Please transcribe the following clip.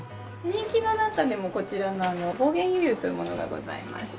人気の中でもこちらの方言遊々というものがございまして。